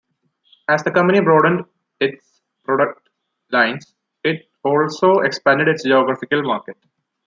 As the company broadened its product lines, it also expanded its geographical market.